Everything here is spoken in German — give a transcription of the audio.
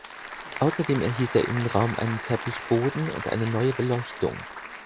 Außerdem erhielt der Innenraum einen Teppichboden und eine neue Beleuchtung.